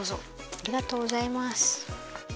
ありがとうございます。